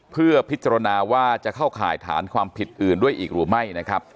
เพื่อพิจารณาว่าจะเข้าข่ายฐานความผิดอื่นด้วยอีกหรือไม่นะครับ